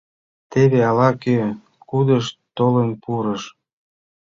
Теве ала-кӧ кудыш толын пурыш.